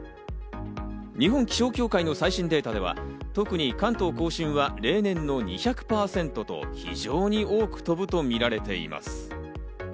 日本気象協会の最新データでは、特に関東甲信は例年の２００％と非常に多く飛ぶとみられています。